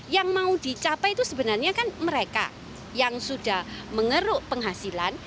yang mau dicapai itu sebenarnya kan mereka yang sudah mengeruk penghasilan